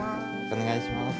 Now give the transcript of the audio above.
お願いします。